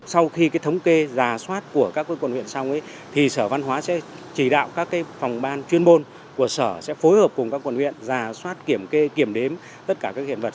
sau khi thống kê giả soát của các quận huyện xong thì sở văn hóa sẽ chỉ đạo các phòng ban chuyên bôn của sở sẽ phối hợp cùng các quận huyện giả soát kiểm kê kiểm đếm tất cả các hiện vật